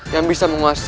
yang bisa menguasai